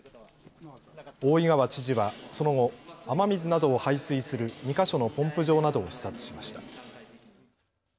大井川知事はその後雨水などを排水する２か所のポンプ場などを視察しました。